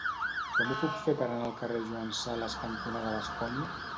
Com ho puc fer per anar al carrer Joan Sales cantonada Bascònia?